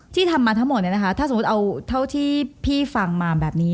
ที่ทำมาทั้งหมดเนี่ยนะคะถ้าสมมุติเอาเท่าที่พี่ฟังมาแบบนี้